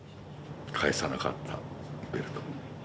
返さなかったベルト。